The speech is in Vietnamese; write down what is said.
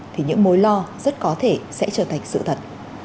thì những mối lo rất có thể sẽ trở thành sự thật